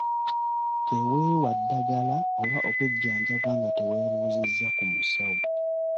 Teweewa ddagala oba okwejjanjaba nga teweebuuzizza ku musawo.